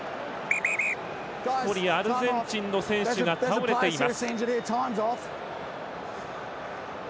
１人、アルゼンチンの選手が倒れています。